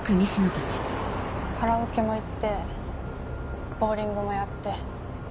カラオケも行ってボウリングもやって。